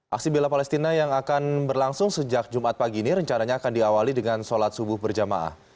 aksi bela palestina yang akan berlangsung sejak jumat pagi ini rencananya akan diawali dengan sholat subuh berjamaah